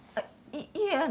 いえあの。